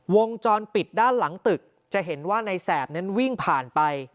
วงจรปิดด้านหลังตึกจะเห็นว่าในแสบนั้นวิ่งผ่านไป